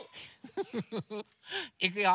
フフフフいくよ！